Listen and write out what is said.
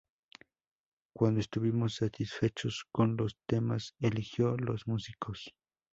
Cuando estuvimos satisfechos con los temas eligió los músicos.